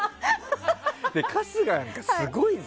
春日なんかすごいぜ。